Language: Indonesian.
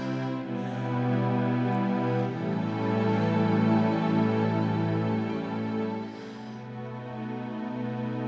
kalau ibu tahu kalau kecemasan aku nggak bisa tidur atau uda apa apa apa